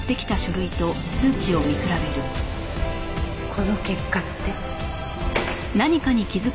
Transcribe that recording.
この結果って。